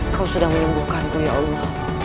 kau sudah menyembuhkanku ya allah